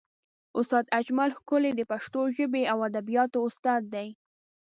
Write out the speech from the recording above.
استاد اجمل ښکلی د پښتو ژبې او ادبیاتو استاد دی.